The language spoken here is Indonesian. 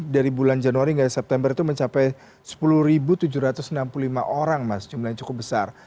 dari bulan januari hingga september itu mencapai sepuluh tujuh ratus enam puluh lima orang mas jumlahnya cukup besar